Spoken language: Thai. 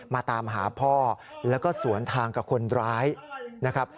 มาตามหาพ่อแล้วก็สวนทางกับคนร้ายนะครับ